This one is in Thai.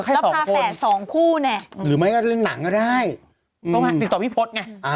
ติดต่อพี่พลตไงพี่พลต